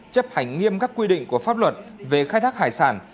chấp hành nghiêm các quy định của pháp luật về khai thác hải sản